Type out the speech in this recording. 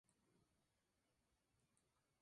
Tecnología aplicada a la Producción.